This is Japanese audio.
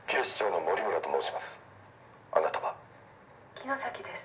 「城崎です」